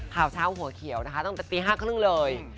ขาวเช้าหัวเขียวตั้งแต่ปีห้าครึ่งเลย